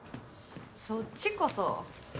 そっちこそ。